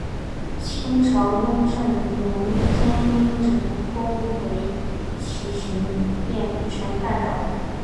清朝雍正年间因人工围垦形成半岛。